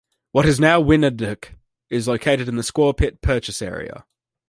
What is now Wyandanch is located in the Squaw Pit Purchase area.